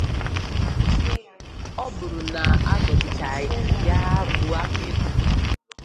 Ọ bụrụ na a gọzichaa ya bụ àkpà agwụ